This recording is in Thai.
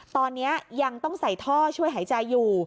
ตอนนี้ยังต้องใส่ท่อช่วยหายใจอยู่